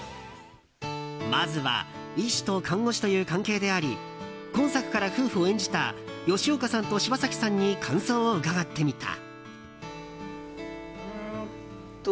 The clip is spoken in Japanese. まずは医師と看護師という関係であり今作から夫婦を演じた吉岡さんと柴咲さんに感想を伺ってみた。